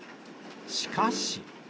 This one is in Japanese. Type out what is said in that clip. しかし。